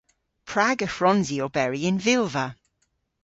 Prag y hwrons i oberi y'n vilva?